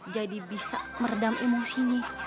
jadi bisa meredam emosinya